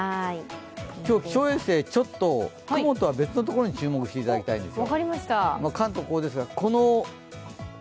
今日、気象衛星、雲とは別のところに注目してもらいたいんですが。